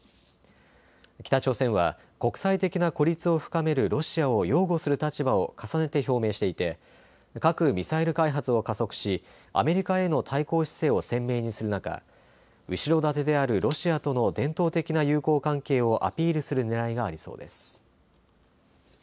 北朝鮮は国際的な孤立を深めるロシアを擁護する立場を重ねて表明していて核・ミサイル開発を加速し、アメリカへの対抗姿勢を鮮明にする中、後ろ盾であるロシアとの伝統的な友好関係をアピールするねらいがありそうです。